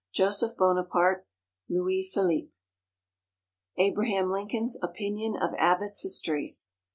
JOSEPH BONAPARTE. LOUIS PHILIPPE. ABRAHAM LINCOLN'S OPINION OF ABBOTTS' HISTORIES.